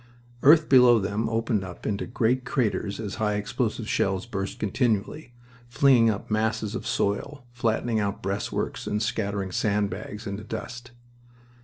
Earth below them opened up into great craters as high explosive shells burst continually, flinging up masses of soil, flattening out breastworks and scattering sand bags into dust.